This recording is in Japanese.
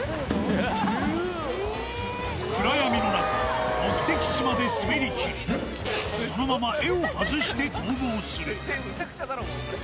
暗闇の中、目的地まで滑りきり、そのまま絵を外して逃亡する。